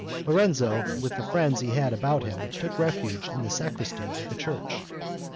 Lorenzo, with the friends he had about him, took refuge in the sacristy of the church.